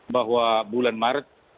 bahwa bulan maret